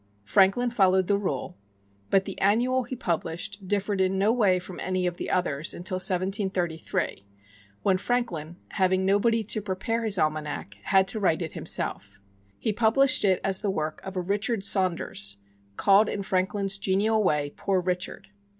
Franklin followed the rule; but the annual he published differed in no way from any of the others until 1733, when Franklin, having nobody to prepare his almanac, had to write it himself. He published it as the work of a Richard Saunders, called in Franklin's genial way, "Poor Richard."